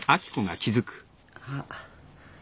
あっ。